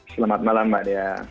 selamat malam mbak dya